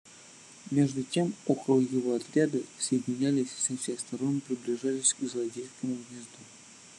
Между тем около его отряды соединялись и со всех сторон приближались к злодейскому гнезду.